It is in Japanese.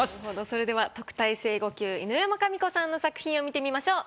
それでは特待生５級犬山紙子さんの作品を見てみましょう。